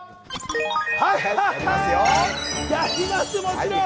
はい、やります、もちろん！